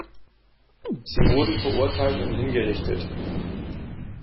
Sie wurden verurteilt und hingerichtet.